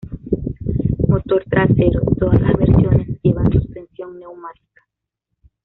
Motor trasero: todas las versiones llevan suspensión neumática.